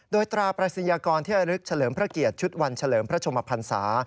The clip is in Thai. โดยตราปริศยากรที่ระลึกเฉลิมพระเกียรติชุดวันเฉลิมพระชมพันศา